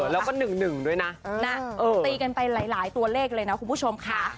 แล้วก็หนึ่งหนึ่งด้วยน่ะน่ะเออตีกันไปหลายหลายตัวเลขเลยน่ะคุณผู้ชมค่ะ